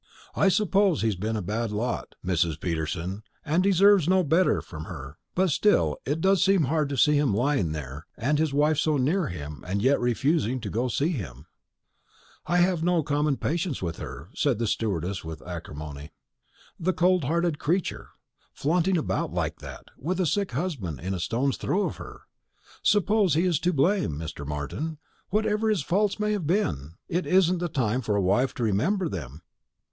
I suppose he's been a bad lot, Mrs. Peterson, and deserves no better from her; but still it does seem hard to see him lying there, and his wife so near him, and yet refusing to go and see him." "I've no common patience with her," said the stewardess with acrimony; "the cold hearted creature! flaunting about like that, with a sick husband within a stone's throw of her. Suppose he is to blame, Mr. Martin; whatever his faults may have been, it isn't the time for a wife to remember them."